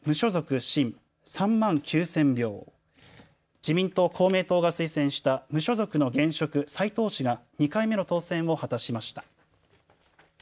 自民党、公明党が推薦した無所属の現職、斉藤氏が２回目の当選を果たしました。